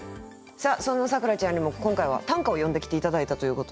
そんな咲楽ちゃんにも今回は短歌を詠んできて頂いたということで。